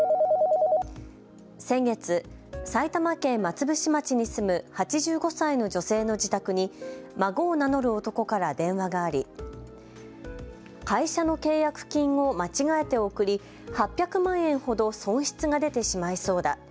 先月、埼玉県松伏町に住む８５歳の女性の自宅に孫を名乗る男から電話があり会社の契約金を間違えて送り８００万円ほど損失が出てしまいそうだ。